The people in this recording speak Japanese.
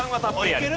いける？